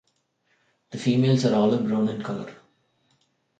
The females are olive brown in colour.